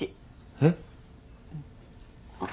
えっ？